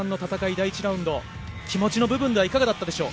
第１ラウンド気持ちの部分はいかがでしょう。